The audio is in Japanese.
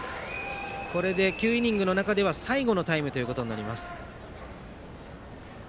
９イニングの中で最後のタイムとなります。